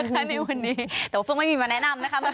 แต่ว่าเฟื้องไม่มีมาแนะนำนะคะ